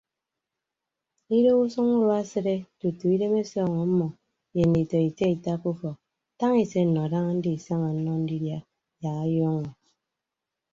Idoho usʌñ udua asịde tutu idem ọsọọñ ọmmọ ye nditọ itiaita ke ufọk tañ ise nnọ daña ndisaña nnọ ndidia yak ayuuñọ.